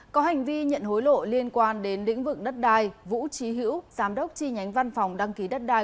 có hành vi nhận hối lộ liên quan đến lĩnh vực đất đai vũ trí hữu giám đốc chi nhánh văn phòng đăng ký đất đai